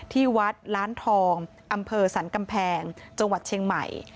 ที่วัดล้านทองอำเภอสรรกำแพงจังหวัดเชียงใหม่